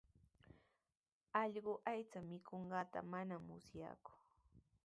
Allqu aycha mikunqanta manami musyaaku.